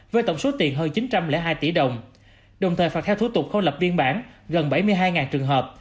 với tổng số tiền hơn chín trăm linh hai tỷ đồng đồng thời phạt theo thủ tục khâu lập biên bản gần bảy mươi hai trường hợp